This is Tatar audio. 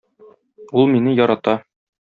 Ул мине ярата.